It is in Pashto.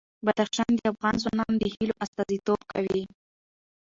بدخشان د افغان ځوانانو د هیلو استازیتوب کوي.